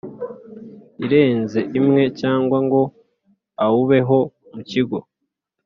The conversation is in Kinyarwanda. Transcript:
Irenze imwe cyangwa ngo awubeho mu kigo